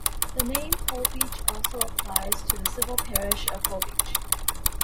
The name "Holbeach" also applies to the civil parish of Holbeach.